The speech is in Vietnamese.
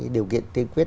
điều kiện tiên quyết